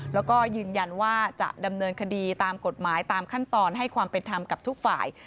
แล้วก็ยืนยันว่าจะดำเนินคดีตามกฎหมายตามขั้นตอนให้ความเป็นธรรมกับทุกฝ่าย